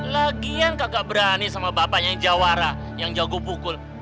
lagian kagak berani sama bapaknya yang jawara yang jago pukul